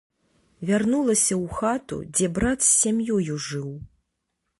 Вярнулася ў хату, дзе брат з сям'ёю жыў.